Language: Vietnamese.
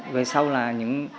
về sau là những